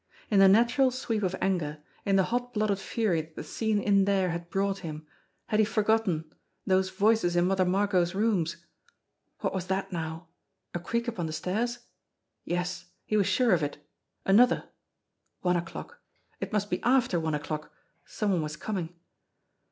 In the natural sweep of anger, in the hot blooded fury that the scene in there had brought him, had he forgotten those voices in Mother Margot's rooms ! What was that now ? A creak upon the stairs ? Yes, he was sure of it ! Another ! One o'clock ! It must be after one o'clock. Some one was coming